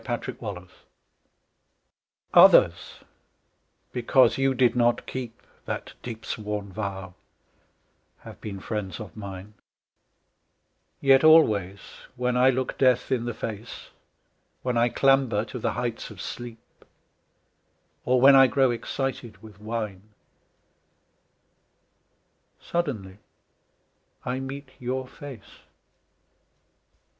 A DEEP SWORN VOW Others because you did not keep That deep sworn vow have been friends of mine; Yet always when I look death in the face, When I clamber to the heights of sleep, Or when I grow excited with wine, Suddenly I meet your face.